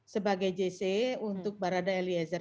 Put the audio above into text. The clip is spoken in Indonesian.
sebagai jce untuk baradae eliezer